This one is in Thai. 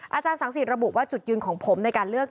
อาจารย์สังสิทธิระบุว่าจุดยืนของผมในการเลือก